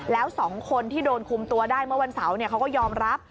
แล้ว๒คนที่โดนคุมตัวได้เมื่อวันเสาร์เขาก็ยอมรับ